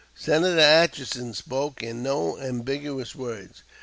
Senator Atchison spoke in no ambiguous words.